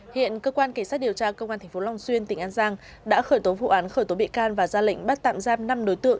hiện cơ quan cảnh sát điều tra công an tp long xuyên tỉnh an giang đã khởi tố vụ án khởi tố bị can và ra lệnh bắt tạm giam năm đối tượng